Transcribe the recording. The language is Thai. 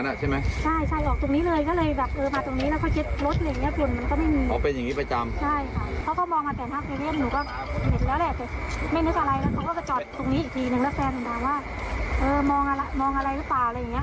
แล้วแฟนผมว่ามองอะไรหรือเปล่าคืย